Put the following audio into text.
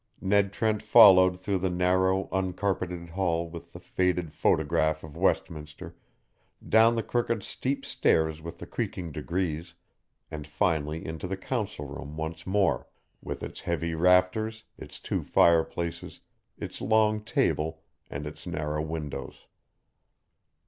Ned Trent followed through the narrow, uncarpeted hall with the faded photograph of Westminster, down the crooked steep stairs with the creaking degrees, and finally into the Council Room once more, with its heavy rafters, its two fireplaces, its long table, and its narrow windows.